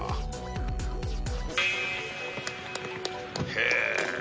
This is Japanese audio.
へえ！